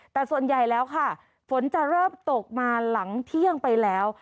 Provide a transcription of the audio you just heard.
แต่ส่วนใหญ่แล้วค่ะฝนจะเริ่มตกมาหลังเที่ยงไปแล้ว